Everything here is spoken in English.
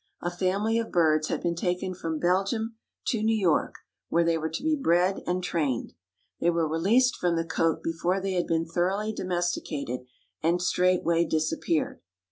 A family of birds had been taken from Belgium to New York, where they were to be bred and trained. They were released from the cote before they had been thoroughly domesticated, and straightway disappeared.